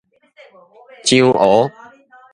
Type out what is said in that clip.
樟湖